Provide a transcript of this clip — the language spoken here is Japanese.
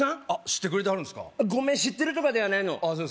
あっ知ってくれてはるんですかごめん知ってるとかではないのああ